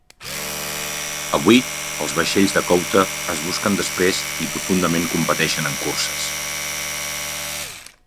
Avui, els vaixells de couta es busquen després i profundament competeixen en curses.